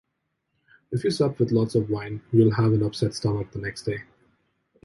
If you sup with lots of wine you will have an upset stomach the next day.